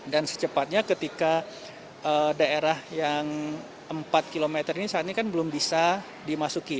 secepatnya ketika daerah yang empat km ini saat ini kan belum bisa dimasuki